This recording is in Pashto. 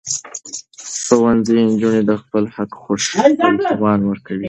ښوونځي نجونې د خپل حق غوښتلو توان ورکوي.